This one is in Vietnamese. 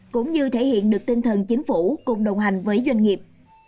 cũng như thể hiện được tinh thần chính phủ cùng đồng hành với doanh nghiệp